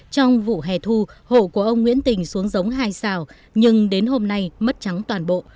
trong vụ hè thu hộ của ông nguyễn tình xuống giống hai xào nhưng đến hôm nay mất trắng toàn bộ